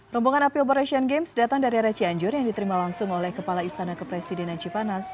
rombongan api operation games datang dari arah cianjur yang diterima langsung oleh kepala istana kepresidenan cipanas